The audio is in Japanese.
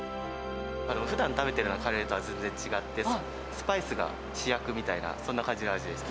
ふだん食べているようなカレーとは全然違って、スパイスが主役みたいな、そんな感じの味です。